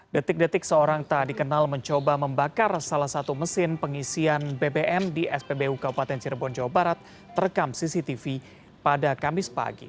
detik detik seorang tak dikenal mencoba membakar salah satu mesin pengisian bbm di spbu kabupaten cirebon jawa barat terekam cctv pada kamis pagi